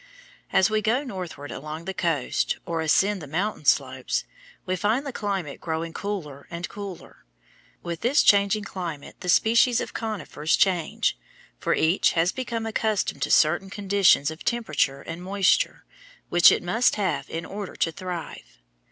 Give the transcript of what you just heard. As we go northward along the coast, or ascend the mountain slopes, we find the climate growing cooler and cooler. With this changing climate the species of conifers change, for each has become accustomed to certain conditions of temperature and moisture, which it must have in order to thrive.